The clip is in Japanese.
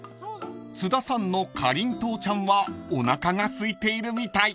［津田さんのかりんとうちゃんはおなかがすいているみたい］